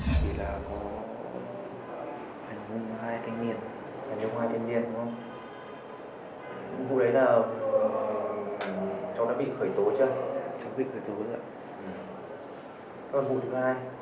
cháu đã không đã bị khởi tố chưa